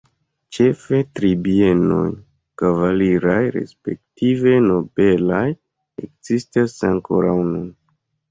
Ĉefe tri bienoj kavaliraj respektive nobelaj ekzistas ankoraŭ nun.